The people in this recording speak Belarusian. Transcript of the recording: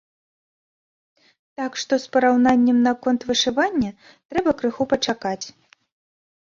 Так што з параўнаннем наконт вышывання трэба крыху пачакаць.